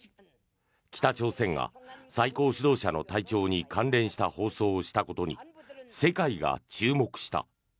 北朝鮮が最高指導者の体調に関連した放送をしたことに世界が注目した。